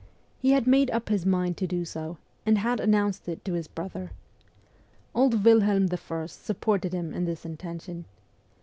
He had made up his mind to do so, and had announced it to his brother. Old Wilhelm I. supported him in this intention.